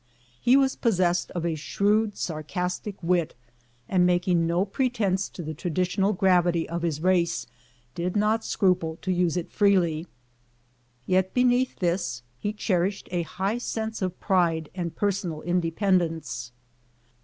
He was possessed of a shrewd, sarcastic wit, and, making no pretense to the traditional gravity of his race, did not scruple to use it freely. Yet be neath this he cherished a high sense of pride and per sonal independence.